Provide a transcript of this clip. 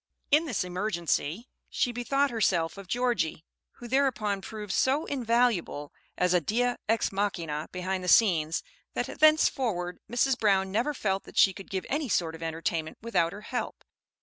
In this emergency she bethought herself of Georgie, who thereupon proved so "invaluable" as a dea ex machina behind the scenes, that thenceforward Mrs. Brown never felt that she could give any sort of entertainment without her help.